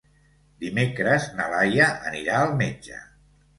Dimecres na Laia anirà al metge.